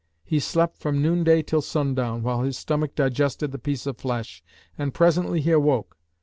He slept from noonday till sundown, while his stomach digested the piece of flesh, and presently he awoke.